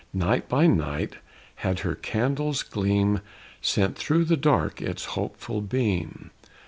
Night by night had her candle's gleam Sent through the dark its hopeful beam.